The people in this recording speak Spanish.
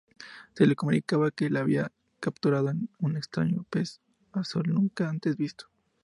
Se le comunicaba que se había capturado un extraño pez azul nunca antes visto.